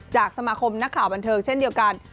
จากสมาคมนักข่าวบันเทิงเช่นเดียวกัน